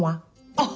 あっ！